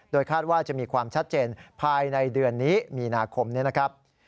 คาดว่าจะมีความชัดเจนภายในเดือนนี้มีนาคมนี้นะครับ